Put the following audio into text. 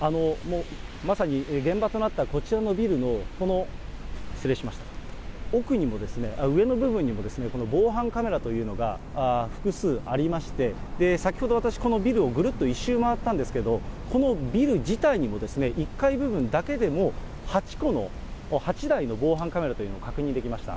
まさに現場となったこちらのビルの、この奥にも、上の部分にもこの防犯カメラというのが複数ありまして、先ほど、私、このビルをぐるっと１周回ったんですけれども、このビル自体にも１階部分だけでも８個の、８台の防犯カメラというのが確認できました。